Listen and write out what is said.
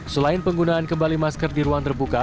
selain penggunaan kembali masker di ruang terbuka